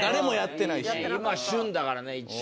今旬だからね一番。